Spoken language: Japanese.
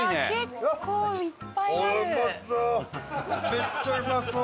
めっちゃうまそう！